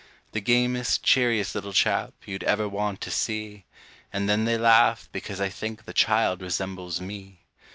The gamest, cheeriest little chap, you'd ever want to see! And then they laugh, because I think the child resembles me.